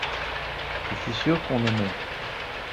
je suis sûr qu'on aimaient.